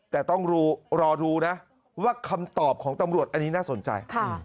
แต่ต้องรอดูนะว่าคำตอบของตำรวจอันนี้น่าสนใจ